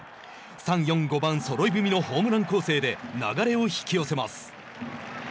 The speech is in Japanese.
３、４、５番そろい踏みのホームラン攻勢で流れを引き寄せます。